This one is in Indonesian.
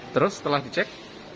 terus setelah dicek